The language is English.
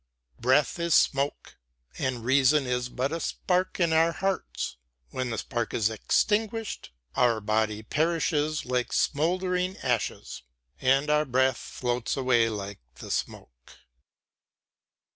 Breath is smoke, and reason is but a spark in our hearts. When the spark is extinguished, our body perishes like smoldering ashes, and our breath floats away like the smoke.